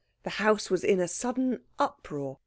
The house was in a sudden uproar.